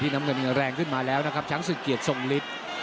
น้ำเงินแรงขึ้นมาแล้วนะครับช้างศึกเกียรติทรงฤทธิ์